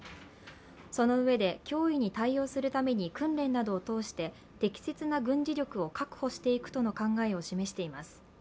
そのうえで脅威に対応するために訓練などを通して適切な軍事力を確保していくとの考えを示しています。